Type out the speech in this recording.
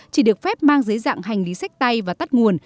chỉ được phép mang dưới dạng hành lý sách tay và tắt nguồn